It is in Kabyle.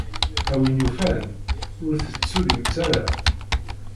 A win yufan, ur tettsullimt ara.